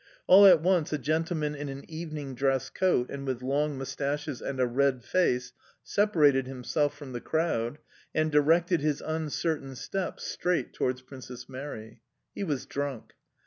All at once a gentleman in an evening dress coat and with long moustaches and a red face separated himself from the crowd and directed his uncertain steps straight towards Princess Mary. He was drunk.